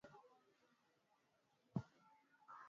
Hakuna milima na nchi haipandi juu ya mita mia mbili